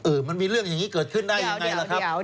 มันมีเรื่องอย่างนี้เกิดขึ้นได้ยังไงล่ะครับ